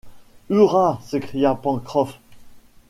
Hurrah! s’écria Pencroff.